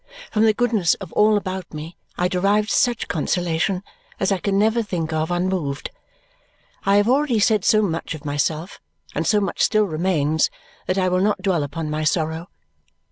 From the goodness of all about me I derived such consolation as I can never think of unmoved. I have already said so much of myself, and so much still remains, that I will not dwell upon my sorrow.